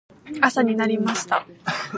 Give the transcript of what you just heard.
朝になりました。